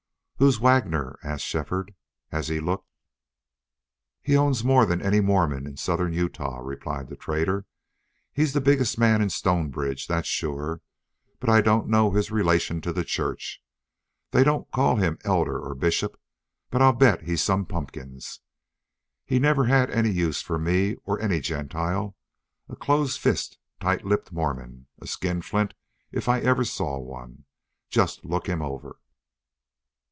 "Who's Waggoner?" asked Shefford, as he looked. "He owns more than any Mormon in southern Utah," replied the trader. "He's the biggest man in Stonebridge, that's sure. But I don't know his relation to the Church. They don't call him elder or bishop. But I'll bet he's some pumpkins. He never had any use for me or any Gentile. A close fisted, tight lipped Mormon a skinflint if I ever saw one! Just look him over."